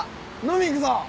飲み行くぞ！